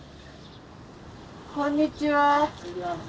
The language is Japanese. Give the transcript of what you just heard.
こんにちは。